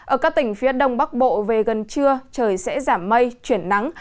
ở các tỉnh phía đông bắc bộ về gần trưa trời sẽ giảm mây chuyển nắng